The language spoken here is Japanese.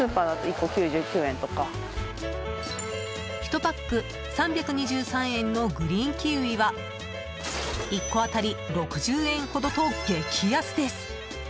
１パック３２３円のグリーンキウイは１個当たり６０円ほどと激安です。